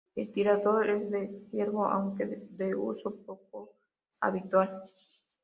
El tirador es de ciervo, aunque de uso poco habitual.